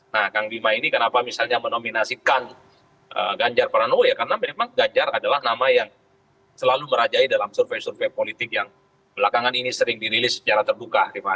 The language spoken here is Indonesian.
nah kang bima ini kenapa misalnya menominasikan ganjar pranowo ya karena memang ganjar adalah nama yang selalu merajai dalam survei survei politik yang belakangan ini sering dirilis secara terbuka